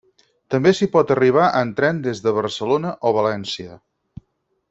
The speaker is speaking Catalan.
També s'hi pot arribar en tren des de Barcelona o València.